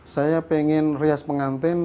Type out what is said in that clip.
saya ingin rias pengantin